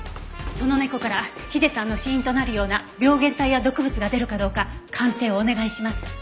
その猫からヒデさんの死因となるような病原体や毒物が出るかどうか鑑定をお願いします。